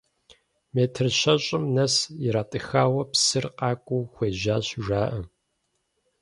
Метр щэщӏым нэс иратӏыхауэ псыр къакӏуэу хуежьащ жаӏэ.